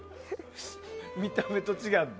見た目と違って。